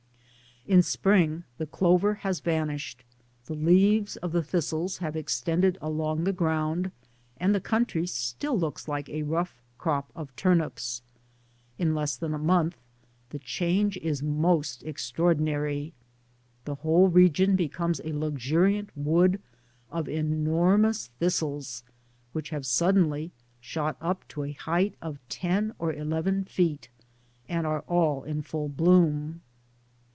In springy the clover has vanished, the leaves of the thistles have extended along the ground, and the county still looks like a rough crop of turnips. In less than a month the change is most extraordi nary ; the whole region becomes a luxuriant wood of enormous thistles, which have suddenly shot up to a height of ten or eleven feet, and are all in full bloom.